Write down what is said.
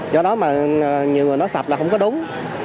do đó mà nhiều người nói sập là không có đúng